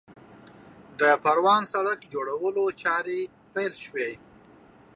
د پروان سړک جوړولو چارې پیل شوې